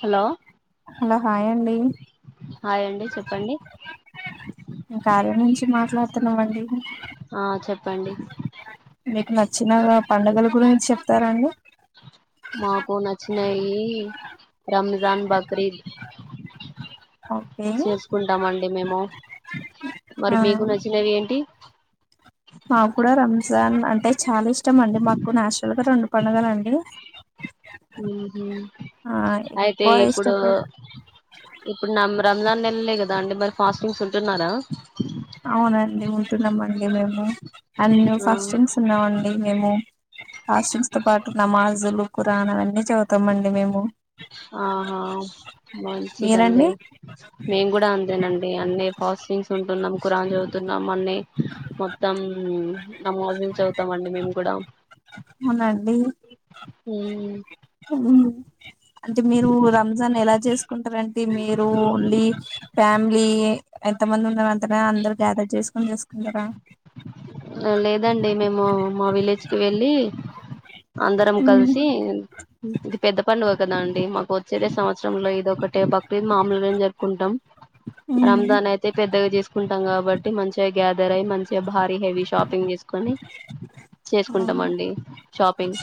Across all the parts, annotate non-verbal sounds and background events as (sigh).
Hello hello hi అండి hi అండి చెప్పండి మేం కార్య నుంచి మాట్లాడుతున్నమండి. ఆ చెప్పండి మీకు నచ్చిన పండగల గురించి చెప్తార అండి? మాకు నచ్చినయి రంజాన్, బక్రీద్ ఓకే చేసుకుంతామండి మేము, ఆ మరి మీకు నచ్చినవి ఏంటి? మాకు కూడా రంజాన్ అంటే చాలా ఇష్టమండి, మాకు నేచురల్ గా రెండు పండుగలండి. క ఉహు అయితే ఎక్కువ ఇప్పుడు ఇష్టపడి ఇప్పుడు న రంజాన్ నెలలే కదా అండి మరి, ఫాస్టింగ్స్ ఉంటున్నారా? అవునండి ఉంటున్నామండి మేము, అండ్ ఆ ఫస్ట్ఇన్స్ ఉన్నామండి మేము. కాస్ట్యూమ్స్ తో పాటు నమాజులు కుఖరానవన్నీ చదుతాం అండి మేము. ఆహా మంచిదండి, మీరండి మేము కూడా అంతెనండి అన్నీ కాస్ స్టింగ్స్ ఉంటున్నాం, ఖరాన్ చదువుతున్నాం. మొన్నే మొత్తం నమాజులు చదువుతాం అండి మేము. గుడ అవునండి ఉమ్ ఉమ్ అంటే మీరు రంజాన్ ఎలా చేసుకుంటారండి, మీరు ఓన్లీ ఫ్యా లీ ఎంత మంది ఉన్నారు అంతన, అందరు గ్యాదర్ చేసుకుని చసుకుంటరా? లేదండి మేము మా విలేజ్ కి వెళ్ళి అందరం ఉమ్, కలిసి, ఇది పెద్ద పండుగ కదా అండి మాకు వచ్చేదే సంవత్సరంలో ఇది ఒకటే బక్ క్రీద్ మామలుగనే జరుపుకుంటాం, ఉమ్. రంజాన్ అయితే పెద్దగా చేసుకుంటాం కాబట్టి మంచిగా గ్యాదర్ అయి మంచి భార హెవీ షాపింగ్ చేసుకని, అవును. చేసుకుంటమండి షా పింగ్.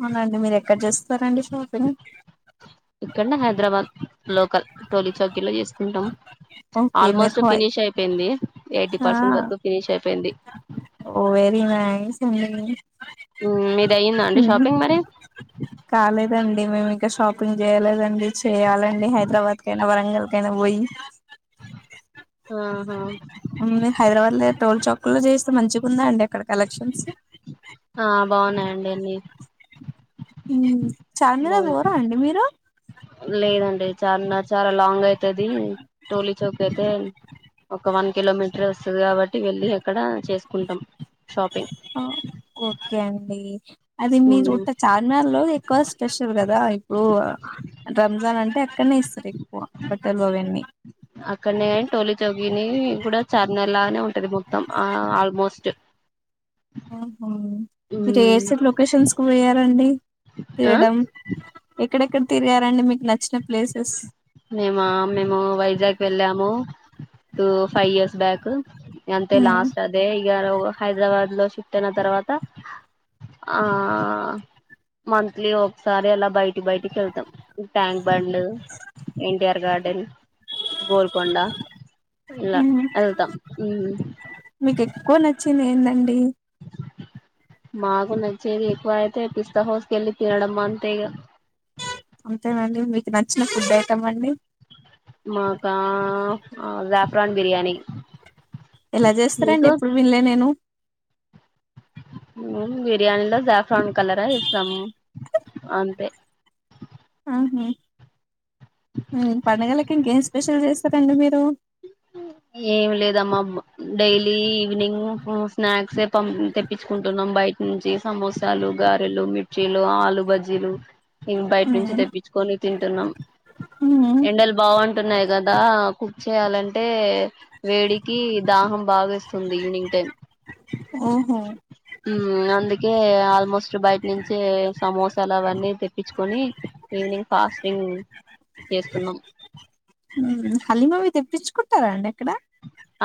అవునండి మీరు ఎక్కడ చేస్తారండి షాపింగ్ ఇక్కడనే హైదరాబాద్ లోకల్ టోలీ చౌకీలో చేసుకుంటాం ఓకే మీరు ఆల్మోస్ట్ హాయ్ ఫినిష్ అయిపోయింది ఎయిటీ ఆ పర్సెంట్ వరకు ఫినిష్ అయిపోయింది ఓ వెరీ నైస్ ఊ మీది అయ్యిందా అండి షాపింగ్ మరి లేదండి మేము ఇంకా షాపింగ్ చేయలేదండి చేయాలండి హైదరాబాద్ కైనా వరంగల్ వరంగల్ కైనా పోయి ఆహా ఉమ్, హైదరాబాద్ లో టోల్ చాకుల్లో చేస్తే మంచిగా ఉందా అండి అక్కడ కలెక్షన్స్ ఆ బాగున్నాయండి అన్ని ఆ చార్మినార్ పోరా అండి మీరు లేదండి చార్మినార్ చాలా లాంగ్ అయితది టోలీ చౌక్ అయితే ఒక వన్ కిలోమీటర్ వస్తుది కాబట్టి వెళ్ళి అక్కడ చేసుకుంటాం షాపింగ్ ఆ ఓకే అండి అది మీరు మ్మ్ చుట్ట చార్మినార్ లో ఎక్కువ స్పెషల్ కదా ఇప్పుడు రంజాన్ అంటే ఇక్కడనే ఇస్తారు బట్టలు అవన్నీ అక్కడనే టోలీ చోగిని కూడా చార్మినార్ లానే ఉంటాది అయిపోయింది మొత్తం ఆ ఆల్మోస్ట్ ఆహ మీరు మ్మ్ ఎటు సైడ్ లొకేషన్స్ కు పోయారండి ఆ తెలియడం ఎక్కడెక్కడ తిరిగారండి మీకు నచ్చిన ప్లేసెస్ మేమ మేము వైజాగ్ వెళ్ళాముూ ఫైవ్ ఇయర్స్ బ్యాక్ అంతే హ్మ్. లాస్ట్ అదే హైదరాబాద్ లో షిఫ్ట్ అయిన తర్వాత ఆ మంత్లీ ఒకసారి అలా బయటి బయటికి వెళ్తాం ట్యాంక్ బండ్ ఎన్టీఆర్ గార్డెన్ గోల్కొండ ఎలా ఎతాం నీకు ఎక్కువ నచ్చింది అండి పిట్టే సౌండ్ మాకు నచ్చేది ఎక్కువ అయితే పిస్తా హౌస్ కు వెళ్ళి తినడం అంతే ఇగ అంతేనండి మీకు నచ్చిన ఫుడ్ ఐటం అండి మాకా జాఫ్రాన్ బిర్యాని ఎలా చేస్తారండి ఎప్పుడు వినలే నేను బిర్యానీలో జాఫ్రాన్ కలరా ఇస్తాము అంతే ఆహా పండగలకి ఇంకేం స్పెషల్ చేస్తారండి మీరు ఏమి లేదమ్మా డైలీ ఈవినింగ్ స్నాక్స్ తెప్పించుకుంటున్నాం బయట నుంచి సమోసాలు గారెలు మిర్చీలు ఆలు బజ్జీలు బయట నుంచి హ్మ్. తెప్పించుకొని తింటున్నాం హ్మ్. ఎండలు బాగుంటున్నాయి కదా చేయాలంటే వేడికి దాహం బాగా ఇస్తుంది ఈవినింగ్ టైం ఓహో ఉ అందు ఆల్మోస్ట్ బయట నుంచి సమోసలు అవన్నీ తెప్పించుకొని ఈవినింగ్ ఫాస్టింగ్ చేస్తున్నాం హలీమవి తెప్పించుకుంటారండి ఎక్కడ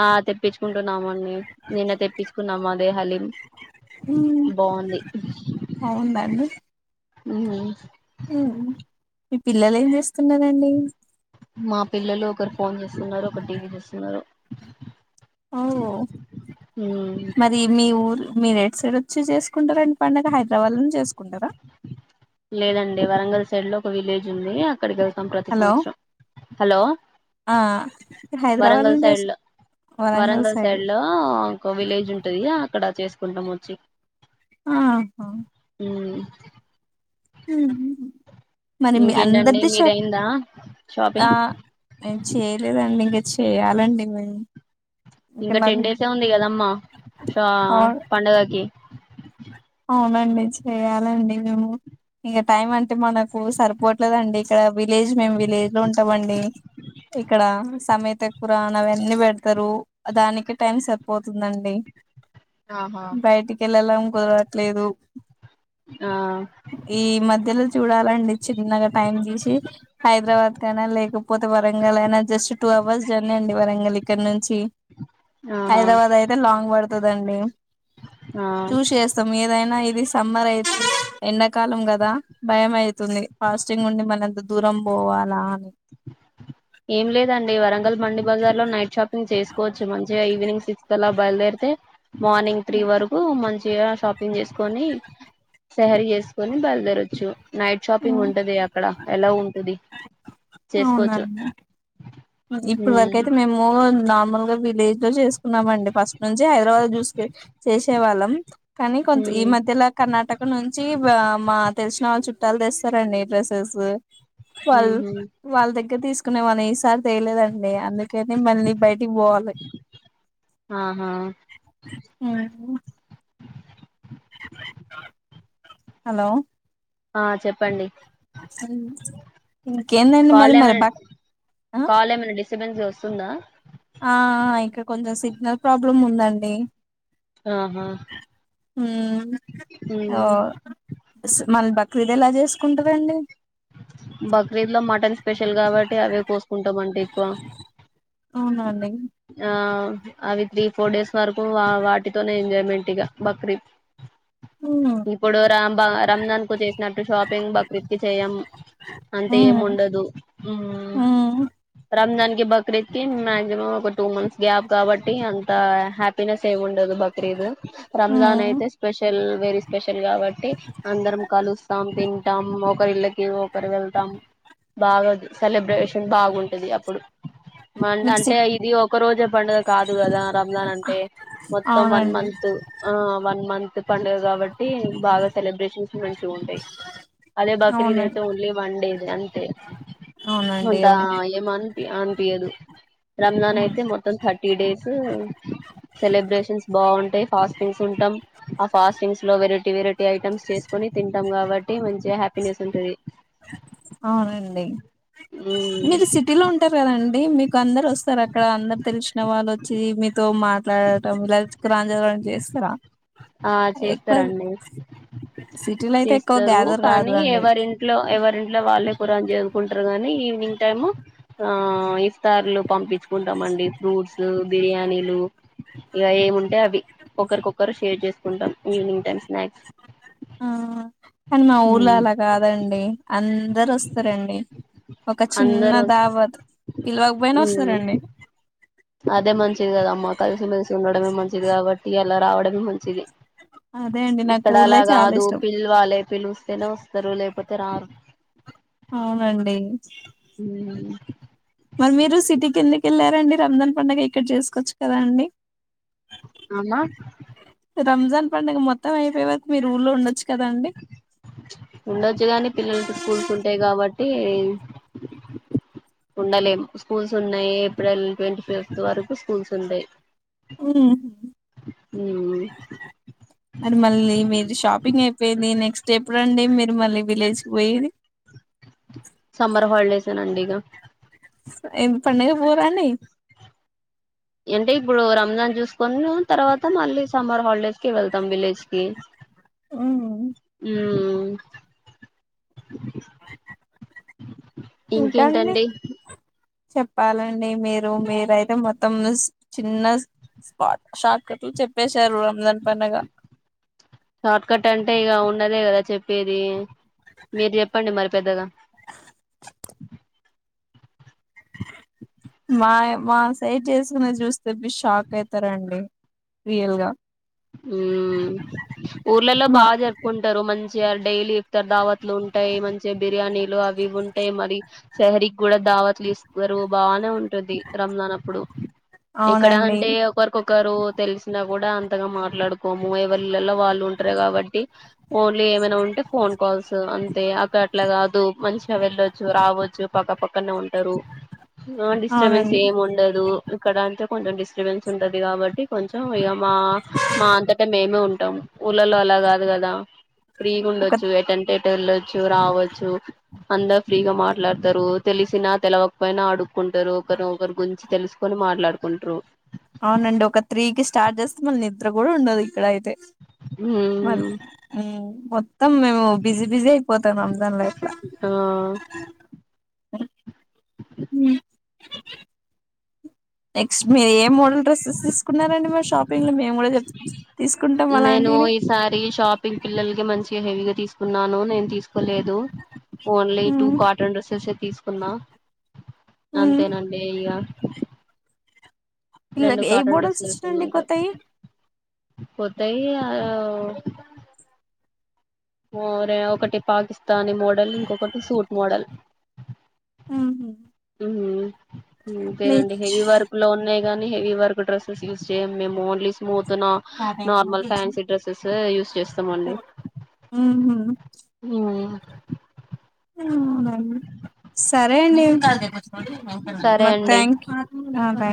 ఆ తెప్పించుకుంటున్నామండి నిన్న తెప్పించుకున్నామా హలీం బాగుంది బాగుందా ఉ హు మీ పిల్లలు ఏం చేస్తున్నారు మా పిల్లలు ఒకరు ఫోన్ చేస్తున్నారు ఒకరు టీవీ చూస్తున్నారు. ఓ మ్మ్ మరి మీ ఊరు మీరు ఎటు సైడ్ వచ్చి చేసుకుంటారండి పండుగ హైదరాబాద్ లోనే చేసుకుంటారా లేదండి వరంగల్ సైడ్ లో ఒక విలేజ్ ఉంది. అక్కడకి వెళ్తాం ప్రతి హలో సంవత్సరం హలో ఆ హైదరాబాద్ వరంగల్ లోనే సైడ్ చేసు లో వరంగల్ సైడ్ లో ఒక విలేజ్ ఉంటది అక్కడ చేసుకుంటాం వచ్చి ఆహా మ్మ్ మరి మీ ఇంకేంటండి అందరిది చాప్ మీదయిందా ఆ షాపింగ్ నేను చేయలేదండి ఇంకా చేయాలండి మే ఇంకా టెన్ డేసే ఉంది కదమ్మా ష ఆ పండుగకి అవునండి చెయాలండి మేము ఇంక టైమ్ అంటే మనకు సరిపోవట్లేదుండి ఇక్కడ విలేజ్ మేము విలేజ్ లో ఉంటమండి ఇక్కడ సమే అ కురాని అవన్నీ పెడతారు దానికి టైం సరిపోతుందండి ఆహా బయటికి వెళ్ళలం కుదరట్లేదు. ఆ ఈ మధ్యలో చూడాల లండి చిన్నగా టైం తీసి హైదరాబాద్ కి అయినా లేకపోతే వరంగల్ అయినా జస్ట్ టూ అవర్స్ జర్నీ అండి వరంగల్ ఇక్కడ నుంచి ఆహా హైదరాబాద్ అయితే లాంగ్ పడుతదండి ఆ అయినా ఇది సమ్మర్ అయి ఎండాకాలం కదా భయం అవుతుంది ఫాస్టింగ్ ఉండి మళ్ళ అంత దూరం పోవాలా అని ఏం లేదండి వరంగల్ మండి బజార్ లో నైట్ షాపింగ్ చేసుకోవచ్చు మంచిగా ఈవినింగ్ సిక్స్త్ అలా బయలుదేరి తే మార్నింగ్ త్రీ వరకు మంచి గా షాపింగ్ చేసుకొని సహరి చేసుకొని బయలుదేరచ్చు నైట్ షాపింగ్ ఉంటది అక్కడ ఎలా ఉంటది చేసుకోవచ్చు అవునండి ఇప్పుడు వరకు ఉమ్ అయితే మేము నార్మల్గా విలేజ్ లో చేసుకున్నామండి ఫస్ట్ నుంచి హైదరాబాద్ లో చూసుక చేసే వాళ్ళం కానీ కొంత ఈ ఉమ్ మధ్యలో కర్ణాటక నుంచి మా తెలిసిన వాళ్ళ చుట్టాలు తెస్తారండి డ్రెసెస్ వాళ్ళు ఉహు వాళ్ళ దగ్గర తీసుకునే వాళ్ళసారి తేలేదండి అందుకని మళ్ళీ బయటికి పోవాలి. ఆ హలో ఆ చెప్పండి ఇక ఏందడి మరి కాల్ మరి బ చెప్పండి వస్తుందా ఆ ఇక్కడ కొంచెం సిగ్నల్ ప్రాబ్లమ్ ఉందండి. ఆహా హ్మ్ ఓ ఉమ్ మళ బక్రీదు ఎలా చేసుకుంటారండి బక్రీద్లో మటన్ స్పెషల్ కాబట్టి అవే కోసుకుంటామంటే ఎక్కువ అవును అండి ఆ అవి త్రీ ఫోర్ డేస్ వరకు వాటితోనే ఎంజాయ్మెంట్గా బక్రీద్ హ్మ్ ఇప్పుడు రాంబ రంజాన్ కు చేసినట్టు షాపింగ్ బక్రీద్ కి చేయము అంత ఏం హ్మ్ ఉండదు హ్మ్ రంజాన్ కి బక్రీద్ కి మాక్సిమం ఒక టూ మంత్స్ గ్యాప్ కాబట్టి అంత హ్యాపీనెస్ ఏం ఉండదు. బక్రీద్ రంజాన్ హ్మ్ అయితే స్పెషల్ వెరీ స్పెషల్ కాబట్టి అందరం కలుస్తాం తింటాం ఒకరి ఇళ్ళ కు ఒకరు వెళ్తాం బాగా సెలబ్రేషన్ బాగుంటది అప్పుడు మన్ మీకు సి అంటే ఇది ఒక రోజు పండుగ కాదు కదా, రంజాన్ అంటే మొత్తం వన్ అవునండి మంత్ ఆ వన్ మంత్ పండుగ కాబట్టి బాగా సెలబ్రేషన్స్ మంచి ఉంటాయి అదే బక్రీద్ అయిత్ అవునండి ఓన్లీ వన్ డేది అంతే అవునండి అంత అవును ఎమ్ అనిపి అనిపింయాదు రంజాన్ అవును. అయితే మొత్తం థర్టీ డేస్ సెలబ్రేషన్స్ బాగుంటాయి ఫాస్టింగ్స్ ఉంటాం ఆ ఫాస్టింగ్స్ లో వెరైటీ వెరైటీ ఐటమ్స్ చేసుకుని తింటాం కాబట్టి మంచి హ్యాపీనెస్ ఉంటది. అవునండి ఉమ్ మీరు సిటీలో ఉంటారు కదండి మీకు అందరు వస్ స్తారా అక్కడ అందరు తెలిసిన వాళ్ళు వచ్చి మీతో మాట్లాడటం ఇలా రాంజాం చేస్తారా ఆ ఎక్కువ చేస్తారండి సిటీలో అయితే ఎక్కువ చేస్తారు గ్యాదర్ కాదు కానీ అండి ఎవరింట్లో ఎవర్ ఇంట్లో వాళ్ళే కురాన్ చదువుకుంటారు కానీ ఈవినింగ్ టైమ్ ఆ ఇఫతార్లు పంప్ చుకుంటాండి ఫ్రూట్స్, బిర్యానీలు ఇగ ఏముంటే అవి ఒకరికొరు షేర్ చేసుకుంటాం ఈవినింగ్ టైమ్ స్నాక్స్ ఆ కానీ మా ఊర్లో అలా కాదండి అందరు వస్తారండి ఒక చిన్న అందరు దావాత్, పిల్వకపోయిన మ్మ్ వస్తారండి. అదే మంచిది కదమ్మ కలిసిమెలిసి ఉండడమే, మంచిది కాబట్టి అలా రావడమే మంచిది. అదే అండి నాకు ఇక్కడ ఊర్లే అలా చాలా కాదు ఇష్టం పిలవాలే, పిలుస్తేనే వస్తారు లేకపోతే రారు. అవునండి ఉమ్మ్ మరి మీరు సిటీకి ఎందుకు వెళ్ళారండి. రంజాన్ పండుగ ఇక్కడ చేసుకోవచ్చు కదా అండి. అమ్మ రంజాన్ పండుగ మొత్తం అయిపోయవరకు మీరు ఊర్లో ఉండచ్ ఉండొచ్చు కానీ, పిల్లలకి స్కూల్స్ ఉంటాయి కాబట్టి. ఉండలేము స్కూల్స్ ఉన్నాయి. ఏప్రిల్ ట్వంటీ ఫిఫ్త్ వరకు స్కూల్స్ ఉంతాయ్. హ్మ్మ్ అది మళ్ళీ మీరు షాపింగ్ అయిప్ పోయేది నెక్స్ట్ ఎప్పుడండి మీరు మళ్ళీ విలేజ్ కు పోయేది సమ్మర్ హాలిడేస్ నాండి ఇగ పండుగ పోరాండి అంటే ఇప్పుడు రంజాన్ చూసుకుని తర్వాత మళ్ళీ సమ్మర్ హాలిడేస్ కి వెళ్తాం విలేజ్ కి ఉమ్ ఇంకా అండి ఇంకేంటండి చెప్పాలండి మీరు మీరైతే మొత్త మొత్తంలో చిన్న స్పాట్ షార్ట్ కట్లు చెప్పేశారు రంజాన్ పండగ షార్ట్ కట్ అంటే ఇక ఉన్నదే కదా చెప్పేది మీరు చెప్పండి మరి పెద్దగా. మయ్ మా సైట్ చేసుకునే చూస్తే షాక్ అయితారండి రియల్ గా ఉమ్ ఊర్లలో మా బాగా జరుపుకుంటారు మంచ్ మంచి డైలీ దావత్లు ఇఫతార్ ఉంటాయి. మంచి బిర్యానీలు అవి ఉంటాయి మరి సహరీ కూడా దావ్ దావత్ లు ఇస్తారు బాగానే ఉంట్ టుది రంజన్ అప్పుడు ఇక్కడ అవునండి అంటే ఒకరికొకరు తెలిసిన కూడా అన్ త్తగా మాట్లాడుకోము ఎమ్ లో వాళ్ళు ఉంటారు కాబట్టి, ఫోన్ లో ఏమైనా ఉంటే ఫోన్ కాల్స్ అన్ అంతే అక్కడ అట్లా కాదు మంచిగా వెళ్ళొచ్చు రావచ్చు పక్కపక్కనే ఉంటారు. ఆ డిస్టర్బెన్స్ అవునండి ఏం ఉండదు ఇక్కడ అంత్ కొంచెం డిస్టర్బెన్స్ ఉంటది కాబట్టి కొంచెం ఇగ మా మా అంతటే మేమే ఉంటాం ఊర్లలో అలా కాదు కదా ఫ్రీగా ఒక ఉండొచ్చు ఎత్తంటే అట్టు వెళ్ళొచ్చు రావచ్చు అందరూ ఫ్రీగా మాట్లాడతారు తెలిసినా తెలవకపోయినా అడుక్కుంటారు. ఒకర్ ఒకరి గురించి తెలుసుకొని. మాట్లాడుకుంటు అవునండి ఒక త్రీకిి స్టార్ట్ చేస్తే మళ్ళీ నిద్ర కూడా ఉండదు ఇక్కడ అయితే మరి హ్మ్ హ్మ్ మ మొత్తం మేము బిజీ బిజీ అయిపోతాన్నాం దాని లైఫ్ లో ఆ హ్మ్ నెక్స్ట్ మీరు ఏ మోడల్ డ్రెసెస్ తీసుకున్నారండి మా షాపింగ్ లో మీ నేను ఈసారి షాపింగ్ పిల్లలు మంచి హెవీ గా తీసుకున్నాను నేను తీసుకోలేదు ఓన్లీ టూ మ్మ్ కాటన్ డ్రెస్సెస్ తీసుకున్నా మ్మ్ అంతేనండి ఇగ రెండు పిల్లకి ఏ కాటన్ మోడల్స్ వచ్చినాయండి కొత్తయి కొత్తయీ ఆ మరే ఒకటి పాకిస్తానీ మోడల్ ఇంకొకటి సూట్ మోడల్ ఉహు మీ అంతేనండి హెవీ వర్క్ లో ఉన్నాయి కానీ హెవీ వర్క్ డ్రస్సెస్ యూజ్ చేయం మేము only smooth normal fancy dresses use చేస్తామండి హ్మ్ సరేలే సరే మరి అండి thank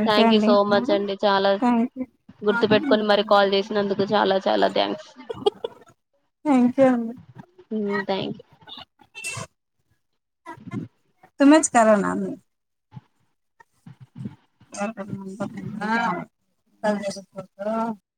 you thank you so much అండి చాలా యూ గుర్తు పెట్టుకొని మరి కాల్ చేసినందుకు చాలా చాలా థ్యాంక్స్ థ్యాంక్ యూ అండి అ అ సెమిస్టరా నాది (unintelligible)